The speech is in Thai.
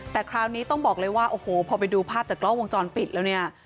แต่คราวนี้ต้องบอกเลยว่าโอ้โหพอไปดูภาพจากกล้องวงจรปิดแล้วเนี่ย